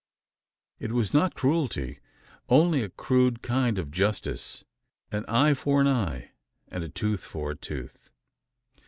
It was not cruelty only a crude kind of justice: "an eye for an eye, and a tooth for a tooth."